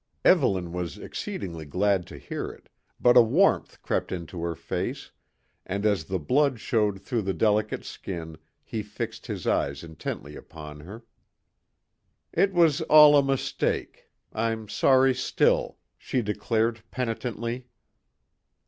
Evelyn was exceedingly glad to hear it, but a warmth crept into her face, and as the blood showed through the delicate skin he fixed his eyes intently upon her. "It was all a mistake; I'm sorry still," she declared penitently.